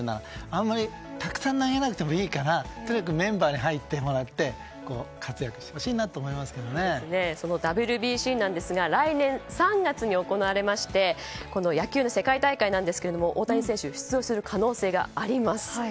あまりたくさん投げなくてもいいからとにかくメンバーに入ってもらって活躍してほしいなとそのＷＢＣは来年３月に行われまして野球の世界大会ですけど大谷選手出場する可能性があります。